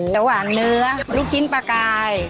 เทียวหวานเนื้อลูกชิ้นปลากลาย